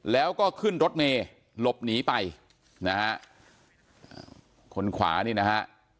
แล้วก็ขึ้นรถเมย์หลบหนีไปนะฮะคนขวานี่นะฮะ